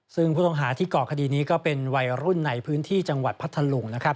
ซึ่งผู้ต้องหาที่ก่อคดีนี้ก็เป็นวัยรุ่นในพื้นที่จังหวัดพัทธลุงนะครับ